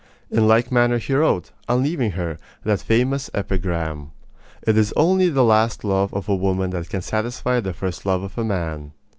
In like manner he wrote, on leaving her, that famous epigram: It is only the last love of a woman that can satisfy the first love of a man.